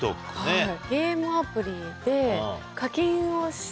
はい。